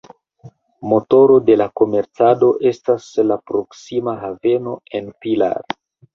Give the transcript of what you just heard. Motoro de la komercado estas la proksima haveno en Pilar.